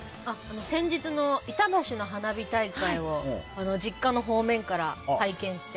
先日の板橋の花火大会を実家の方面から拝見して。